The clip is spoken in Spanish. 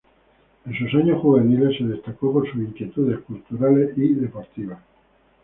En sus años juveniles se destacó por sus inquietudes culturales y deportivas.